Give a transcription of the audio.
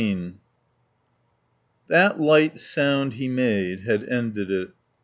XV That light sound he made had ended it.